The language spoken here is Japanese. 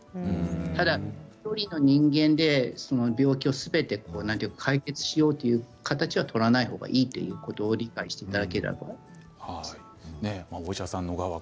ただ１人の人間で状況をすべて解決しようという形は取らない方がいいということを理解していただければと思います。